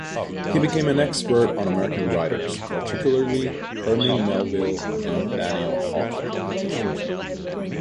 He became an expert on American writers, particularly Herman Melville and Nathaniel Hawthorne.